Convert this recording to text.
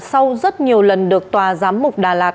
sau rất nhiều lần được tòa giám mục đà lạt